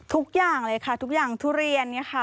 ทุกอย่างเลยค่ะทุเรียนเลยค่ะ